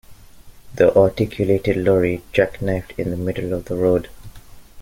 The articulated lorry jackknifed in the middle of the road